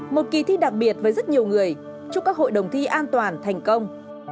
một kỳ thi đặc biệt với rất nhiều người chúc các hội đồng thi an toàn thành công